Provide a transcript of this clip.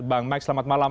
bang max selamat malam